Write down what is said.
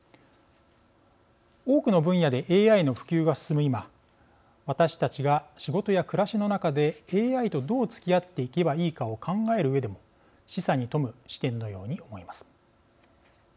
多くの分野でＡＩの普及が進む今私たちが仕事や暮らしの中でＡＩとどうつき合っていけばいいのかを考えるうえでも示唆に富む視点のように思います。